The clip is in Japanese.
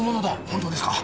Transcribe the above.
本当ですか？